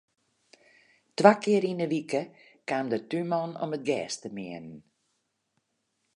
Twa kear yn 'e wike kaam de túnman om it gjers te meanen.